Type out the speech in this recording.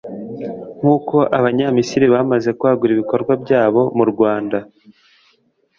nk’uko abanyamisiri bamaze kwagura ibikorwa byabo mu Rwanda